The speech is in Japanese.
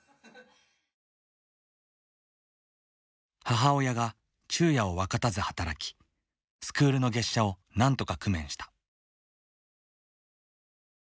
母親が昼夜を分かたず働きスクールの月謝をなんとか工面した。